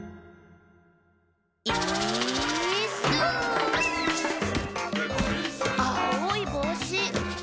「イーッス」「あおいぼうし」